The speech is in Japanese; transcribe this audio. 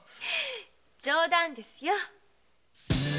冗談ですよ。